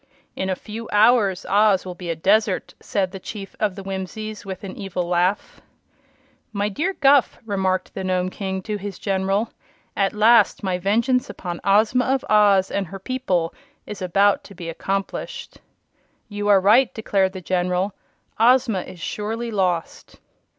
"In a few hours Oz will be a desert!" said the Chief of the Whimsies, with an evil laugh. "My dear Guph," remarked the Nome King to his General, "at last my vengeance upon Ozma of Oz and her people is about to be accomplished." "You are right!" declared the General. "Ozma is surely lost."